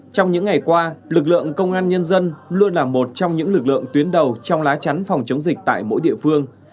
trong những ngày qua lực lượng công an nhân dân luôn là một trong những lực lượng tuyến đầu trong lá chắn phòng chống dịch tại mỗi địa phương